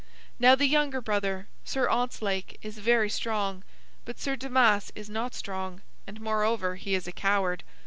Now the younger brother, Sir Ontzlake, is very strong, but Sir Damas is not strong, and moreover, he is a coward.